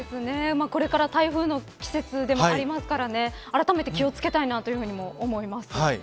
これから台風の季節ではありますから、あらためて気を付けたいなというふうにも思います。